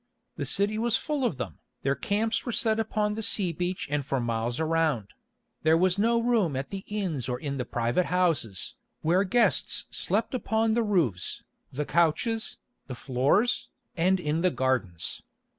The city was full of them, their camps were set upon the sea beach and for miles around; there was no room at the inns or in the private houses, where guests slept upon the roofs, the couches, the floors, and in the gardens.